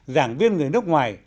giảng viên người nước ngoài